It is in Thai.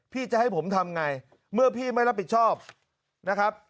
พี่จะให้ผมทำไงเมื่อพี่ไม่รับผิดชอบนะครับ